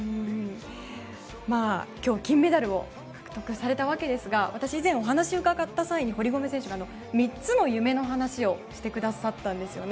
今日、金メダルを獲得されたわけですが私、以前お話を伺った際に堀米選手が３つの夢の話をしてくださったんですよね。